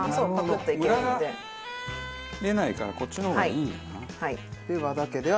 無駄が出ないからこっちの方がいいんだな。